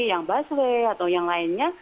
yang busway atau yang lainnya